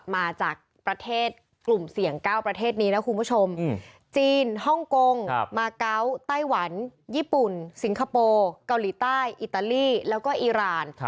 มาเกาะไต้หวันญี่ปุ่นสิงคโปร์เกาหลีใต้อิตาลีแล้วก็อิราณ